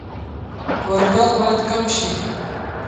واردات باید کم شي.